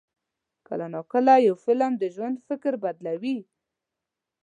کله ناکله یو فلم د ژوند فکر بدلوي.